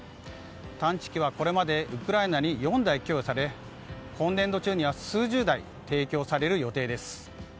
探知機はこれまでウクライナに４台供与され今年度中には数十台提供される予定です。